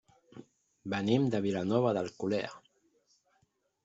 Venim de Vilanova d'Alcolea.